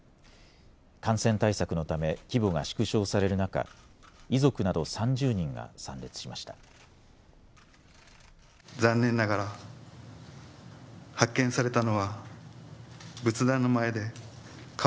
感染対策のため規模が縮小される中、遺族など３０人が参列しました。